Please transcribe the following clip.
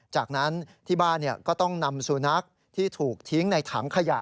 จากนั้นที่บ้านก็ต้องนำสุนัขที่ถูกทิ้งในถังขยะ